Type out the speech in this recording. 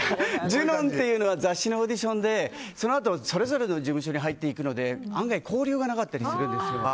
ジュノンというのは雑誌のオーディションでそのあとそれぞれの事務所に入るので案外、交流がなかったりするんですよ。